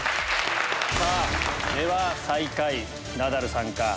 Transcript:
さぁでは最下位ナダルさんか？